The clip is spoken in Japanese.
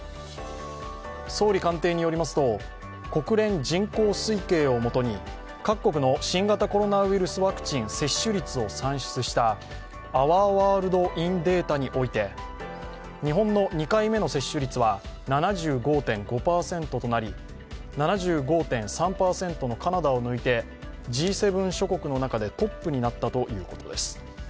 総理官邸によりますと、国連人口推計をもとに各国の新型コロナウイルスワクチン接種率を算出したアワー・ワールド・イン・データにおいて、日本の２回目の接種率は７５．５％となり７５．３％のカナダを抜いてＧ７諸国の中でトップになったということです。